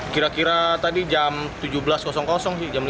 kira kira tadi jam tujuh belas sih jam lima